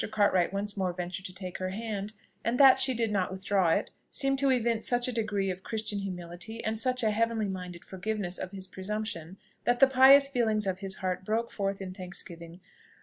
Cartwright once more ventured to take her hand; and that she did not withdraw it, seemed to evince such a degree of Christian humility, and such a heavenly minded forgiveness of his presumption, that the pious feelings of his heart broke forth in thanksgiving.